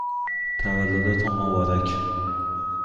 تولدتان مبارک!